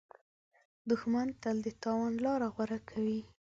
دښمن تل د تاوان لاره غوره کوي